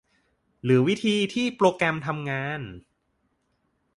หรือวิธีที่โปรแกรมทำงาน